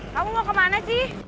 kamu mau kemana sih